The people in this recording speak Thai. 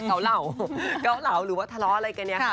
เหล่าเกาเหลาหรือว่าทะเลาะอะไรกันเนี่ยค่ะ